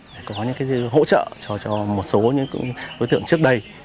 để có những hỗ trợ cho một số những đối tượng trước đây